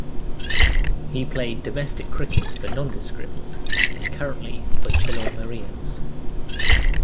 He played domestic cricket for Nondescripts and currently for Chilaw Marians.